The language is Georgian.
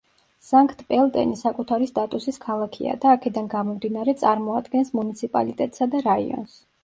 სანქტ-პელტენი საკუთარი სტატუსის ქალაქია და აქედან გამომდინარე, წარმოადგენს მუნიციპალიტეტსა და რაიონს.